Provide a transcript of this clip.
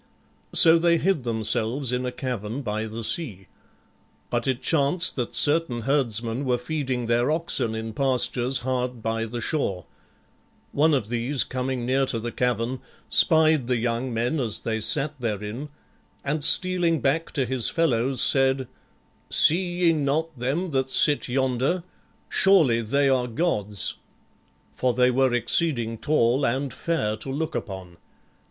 So they hid themselves in a cavern by the sea. But it chanced that certain herdsmen were feeding their oxen in pastures hard by the shore; one of these, coming near to the cavern, spied the young men as they sat therein, and stealing back to his fellows, said, "See ye not them that sit yonder. Surely they are gods;" for they were exceeding tall and fair to look upon.